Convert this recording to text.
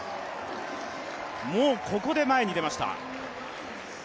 もうここで前に出ました。